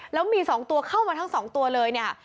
แล้วมี๒ตัวเข้ามาทั้ง๒ตัวเลยเนี่ย